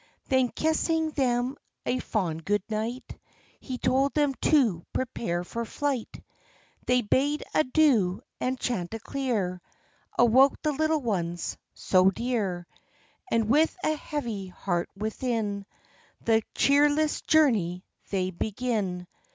Then kissing them a fond good night, He told them to prepare for flight. They bade adieu, and Chanticleer Awoke the little ones so dear, And, with a heavy heart within, The cheerless journey they begin.